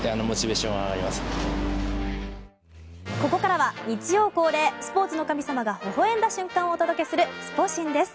ここからは日曜恒例スポーツの神様がほほ笑んだ瞬間をお届けするスポ神です。